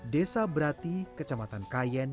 desa berati kecamatan kayen kabupaten pati jawa tengah